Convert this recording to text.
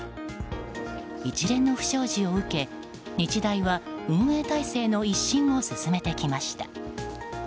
一連の不祥事を受け、日大は運営体制の一新を進めてきました。